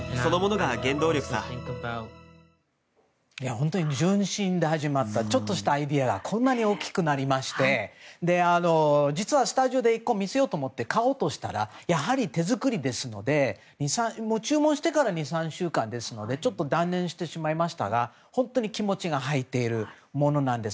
本当に純真で始まったちょっとしたアイデアがこんなに大きくなりまして実はスタジオで１個見せようと思って買おうとしたらやはり手作りですので注文してから２３週間ですのでちょっと断念してしまいましたが本当に気持ちが入っているものなんです。